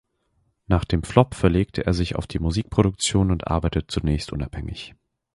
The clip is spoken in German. Nach dem Flop verlegte er sich auf die Musikproduktion und arbeitete zunächst unabhängig.